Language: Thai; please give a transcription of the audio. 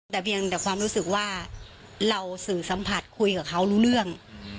แต่เพียงแต่ความรู้สึกว่าเราสื่อสัมผัสคุยกับเขารู้เรื่อง